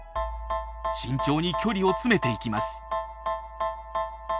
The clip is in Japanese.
慎重に距離を詰めていきます。